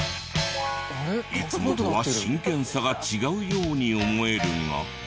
いつもとは真剣さが違うように思えるが。